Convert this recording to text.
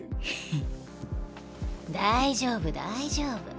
大丈夫大丈夫。